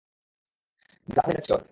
গা পুড়ে যাচ্ছে ওর।